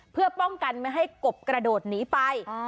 เพื่อป้องกันไม่ให้กบกระโดดหนีไป